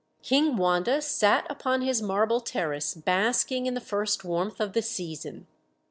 King Wanda sat upon his marble terrace basking in the first warmth of the season.